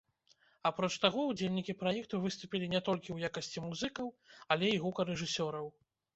Апроч таго, удзельнікі праекту выступілі не толькі ў якасці музыкаў, але і гукарэжысёраў.